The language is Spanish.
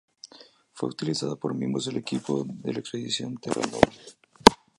Fue utilizada por miembros del equipo de la expedición Terra Nova.